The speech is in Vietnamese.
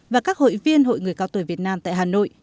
và các hội viên hội người cao tuổi việt nam tại hà nội